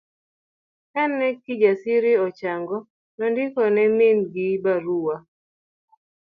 Kane Kijasiri ochang'o, nondiko ne min gi barua